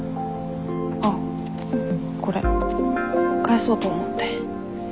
あっこれ返そうと思って。